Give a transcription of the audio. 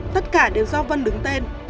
tất cả đều do vân đứng tên